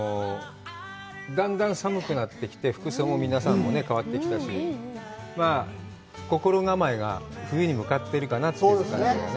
だんだん寒くなってきて、服装も皆さんも変わってきたし、心構えが冬に向かっているかなという感じがね。